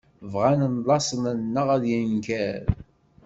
Bγan laṣel-nneγ ad yenger.